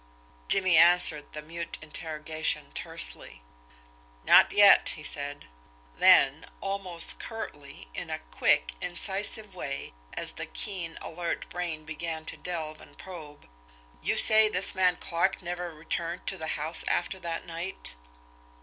Jimmie answered the mute interrogation tersely. "Not yet!" he said. Then, almost curtly, in a quick, incisive way, as the keen, alert brain began to delve and probe: "You say this man Clarke never returned to the house after that night?"